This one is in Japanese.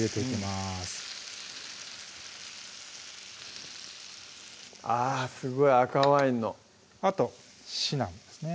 すごい赤ワインのあとシナモンですね